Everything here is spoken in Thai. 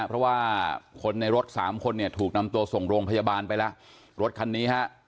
เพราะว่าคนในรถสามคนเนี่ยถูกนำตัวส่งโรงพยาบาลไปแล้วรถคันนี้ฮะ